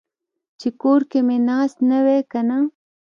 چې کور کې مې ناست نه وای کنه.